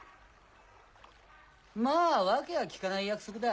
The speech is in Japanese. まぁ訳は聞かない約束だ。